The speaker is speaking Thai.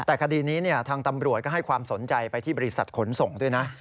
แต่คดีนี้ทางตำรวจก็ให้ความสนใจไปที่บริษัทขนส่งด้วยนะ